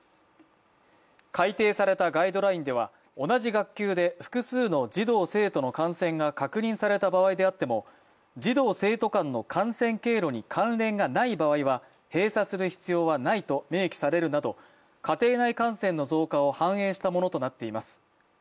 改定されたガイドラインでは同じ学級で複数の児童・生徒の感染が確認された場合であっても児童・生徒間の感染経路に関連がない場合は閉鎖する必要はないと明記されるなど家庭内感染の増加を反映したものとなっています。